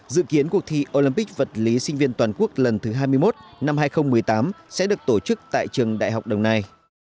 dự kiến cuộc thi olympic vật lý sinh viên toàn quốc lần thứ hai mươi một năm hai nghìn một mươi tám sẽ được tổ chức tại trường đại học đồng nai